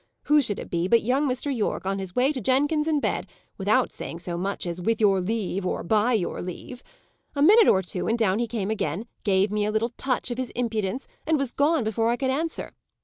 Who should it be but young Mr. Yorke, on his way to Jenkins in bed, without saying so much as 'With your leave,' or 'By your leave.' A minute or two, and down he came again, gave me a little touch of his impudence, and was gone before I could answer.